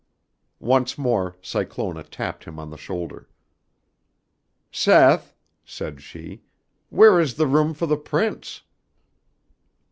Once more Cyclona tapped him on the shoulder. "Seth," said she, "where is the room for the Prince?"